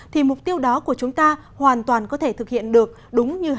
thì mục tiêu đó của chúng ta hoàn toàn có thể thực hiện được đúng như hẳn định